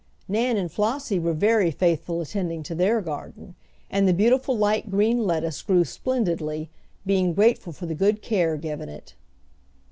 Nan and Flossie were very faithful attending to their garden, and the beautiful light green lettuce grew splendidly, being grateful for the good care given it.